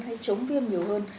hay chống viêm nhiều hơn